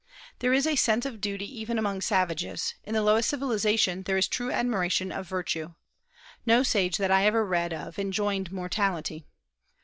There is a sense of duty even among savages; in the lowest civilization there is true admiration of virtue. No sage that I ever read of enjoined immorality.